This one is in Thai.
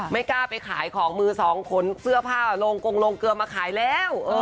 ไม่กล้าไปขายของมือสองขนเสื้อผ้าลงกงโรงเกลือมาขายแล้ว